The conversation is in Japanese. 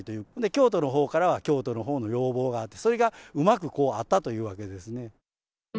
京都のほうからは京都のほうの要望があって、それがうまくあったというわけですね。